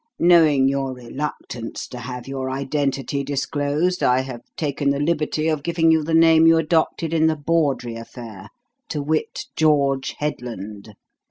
Knowing your reluctance to have your identity disclosed, I have taken the liberty of giving you the name you adopted in the Bawdrey affair, to wit: 'George Headland.'